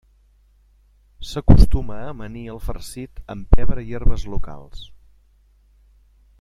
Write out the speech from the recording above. S'acostuma a amanir el farcit amb pebre i herbes locals.